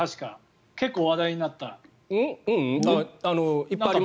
結構話題になった。